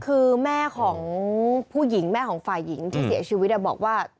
คือแม่ของผู้หญิงแม่ของฝ่ายหญิงที่เสียชีวิตบอกว่า